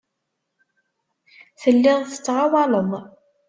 Telliḍ tettɣawaleḍ.